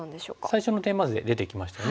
最初のテーマ図で出てきましたよね。